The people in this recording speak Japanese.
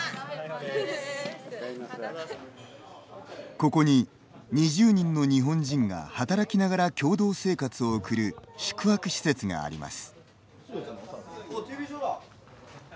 ここに、２０人の日本人が働きながら共同生活をおくる宿泊施設があります。